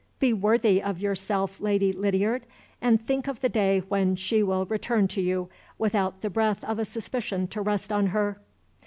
Be worthy of yourself, Lady Lydiard and think of the day when she will return to you without the breath of a suspicion to rest on her!"